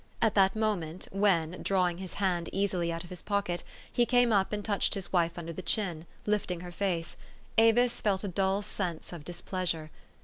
At that moment, when, drawing his hand easily out of his pocket, he came up and touched his wife under the chin, lifting her face, Avis felt a dull sense of displeasure.